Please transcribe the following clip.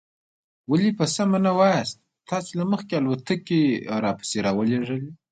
ولې په سمه نه وایاست؟ تاسې له مخکې الوتکې را پسې را ولېږلې.